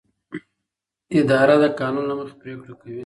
اداره د قانون له مخې پریکړې کوي.